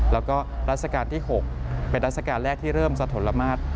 แล้วก็รัชกาลที่๖เป็นราชการแรกที่เริ่มสะทนละมาตร